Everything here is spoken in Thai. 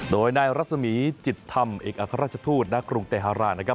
โดยนายรัศมีจิตธรรมเอกอัครราชทูตณกรุงเตฮารานะครับ